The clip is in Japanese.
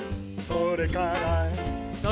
「それから」